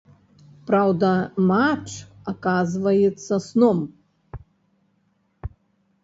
Праўда, матч аказваецца сном.